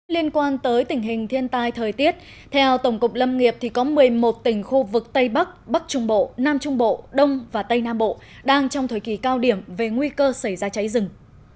liên quan tới tình hình thiên tai thời tiết theo tổng cục lâm nghiệp thì có một mươi một tỉnh khu vực tây bắc bắc trung bộ nam trung bộ đông và tây nam bộ đang trong thời kỳ cao điểm về nguy cơ xảy ra cháy rừng